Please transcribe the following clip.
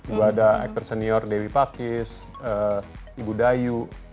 ibu ada aktor senior dewi pakis ibu dayu